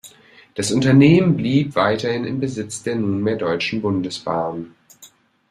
Das Unternehmen blieb weiterhin im Besitz der nunmehr Deutschen Bundesbahn.